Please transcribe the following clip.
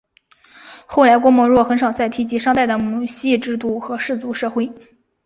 后来郭沫若很少再提及商代的母系制度和氏族社会。